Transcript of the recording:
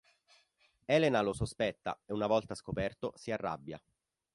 Elena lo sospetta e una volta scoperto, si arrabbia.